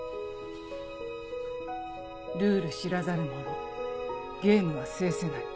ルール知らざる者ゲームは制せない。